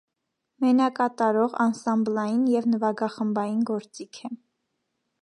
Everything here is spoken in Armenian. Մենակատարող, անսամբլային և նվագախմբային գործիք է։